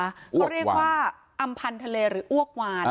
เขาเรียกว่าอำพันธเลหรืออ้วกวาน